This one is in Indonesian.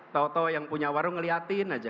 tau tau yang punya warung ngeliatin aja